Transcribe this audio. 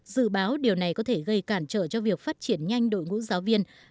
dự báo điều này có thể gây cản trở cho việc phát triển nhanh đội ngũ giáo viên